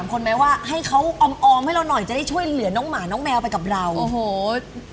สวัสดีครับสวัสดีครับพี่ทิศ